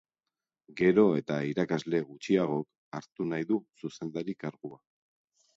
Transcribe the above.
Gero eta irakasle gutxiagok hartu nahi du zuzendari kargua.